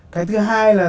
cái thứ hai là